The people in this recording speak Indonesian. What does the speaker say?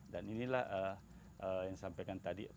dan inilah yang disampaikan tadi